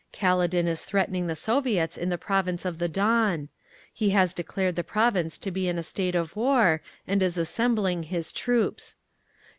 Kaledin is threatening the Soviets in the province of the Don. He has declared the province to be in a state of war and is assembling his troops.